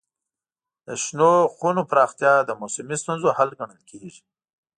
د شنو خونو پراختیا د موسمي ستونزو حل ګڼل کېږي.